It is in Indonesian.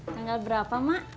tanggal berapa mak